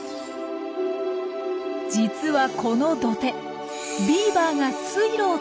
実はこの土手ビーバーが水路を作った跡なんです。